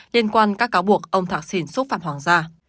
liên quan các cáo buộc ông thạc sỉn xúc phạm hoàng gia